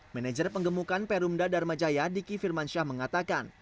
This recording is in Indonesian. manager penggemukan perumda dharmajaya diki firmansyah mengatakan